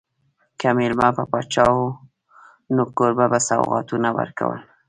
که مېلمه به پاچا و نو کوربه به سوغاتونه ورکول.